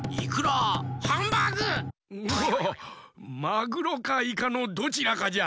マグロかイカのどちらかじゃ。